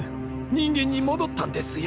人間に戻ったんですよ！